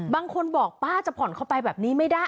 บางคนบอกป้าจะผ่อนเข้าไปแบบนี้ไม่ได้